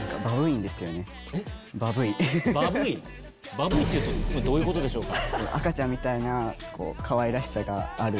「バブい」っていうとどういうことでしょうか？